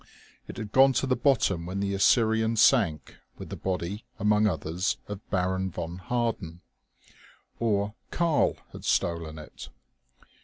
It had gone to the bottom when the Assyrian sank with the body among others of Baron von Harden. Or "Karl" had stolen it.